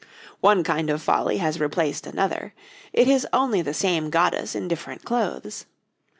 One kind of folly has replaced another; it is only the same goddess in different clothes.